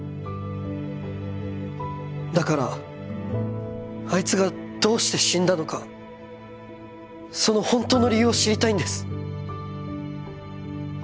だからあいつがどうして死んだのかその本当の理由を知りたいんです